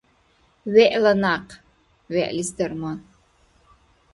ВегӀла някъ — вегӀлис дарман.